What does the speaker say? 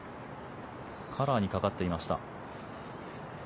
カラーにかかっていました。